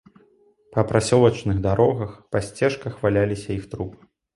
Па прасёлачных дарогах, па сцежках валяліся іх трупы.